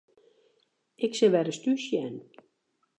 Ik sil wer ris thús sjen.